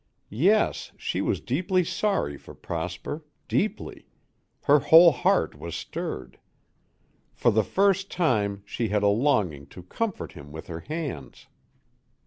Yes, she was deeply sorry for Prosper, deeply; her whole heart was stirred. For the first time she had a longing to comfort him with her hands.